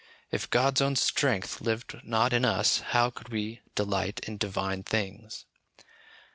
If God's own strength lived not in us, how could we delight in Divine things?"